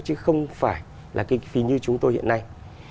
chứ không phải là kinh phí như chúng tôi hiện nay